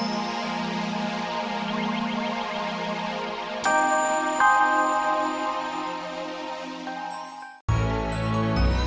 sampai jumpa lagi